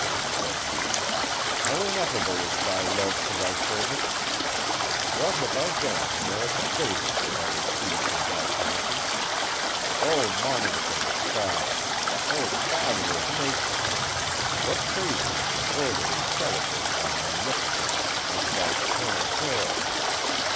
said he, "how ineffable is thy love to thy servants. What have I done to merit the favours, that I receive from thy bounty? O Monarch of the skies! O Father of nature! what praises could worthily celebrate thy munificence, and thy paternal care!